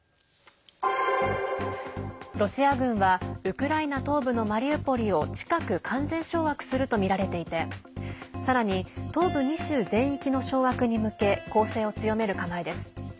ロシア軍はウクライナ東部のマリウポリを近く完全掌握するとみられていてさらに東部２州全域の掌握に向け攻勢を強める構えです。